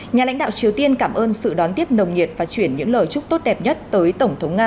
nhà lãnh đạo triều tiên cảm ơn sự đón tiếp nồng nhiệt và chuyển những lời chúc tốt đẹp nhất tới tổng thống nga